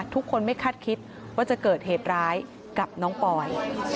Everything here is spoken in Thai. ทุกคนไม่คาดคิดว่าจะเกิดเหตุร้ายกับน้องปอย